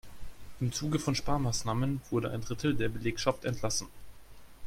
Im Zuge von Sparmaßnahmen wurde ein Drittel der Belegschaft entlassen.